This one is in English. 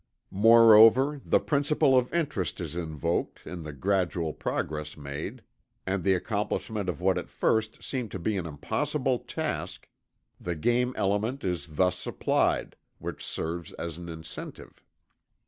Moreover, the principle of interest is invoked, in the gradual progress made, and the accomplishment of what at first seemed to be an impossible task the game element is thus supplied, which serves as an incentive.